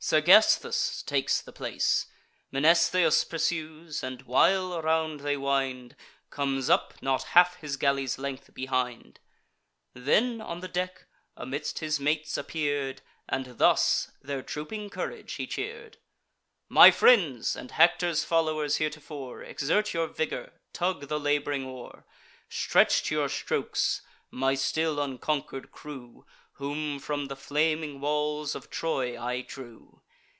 Sergesthus takes the place; Mnestheus pursues; and while around they wind, Comes up, not half his galley's length behind; Then, on the deck, amidst his mates appear'd, And thus their drooping courages he cheer'd: "My friends, and Hector's followers heretofore, Exert your vigour; tug the lab'ring oar; Stretch to your strokes, my still unconquer'd crew, Whom from the flaming walls of Troy I drew.